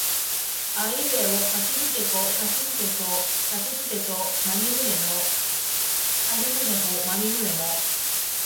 あいうえおかきくけこさしすせそたちつてとなにぬねのはひふへほまみむめも